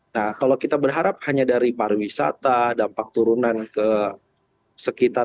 nah kalau kita berharap hanya dari pariwisata dampak turunan ke sekitar